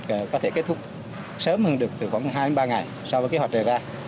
công việc có thể kết thúc sớm hơn được từ khoảng hai ba ngày so với kế hoạch đề ra